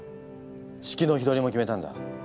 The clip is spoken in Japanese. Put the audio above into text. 式の日取りも決めたんだ。